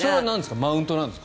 マウントなんですか？